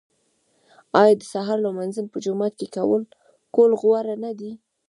آیا د سهار لمونځ په جومات کې کول غوره نه دي؟